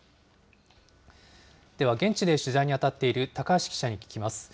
では、現地で取材に当たっている高橋記者に聞きます。